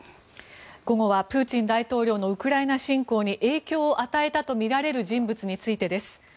午後は、プーチン大統領のウクライナ侵攻に影響を与えたとみられる人物についてです。